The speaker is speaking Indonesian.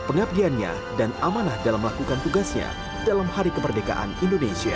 pengabdiannya dan amanah dalam melakukan tugasnya dalam hari kemerdekaan indonesia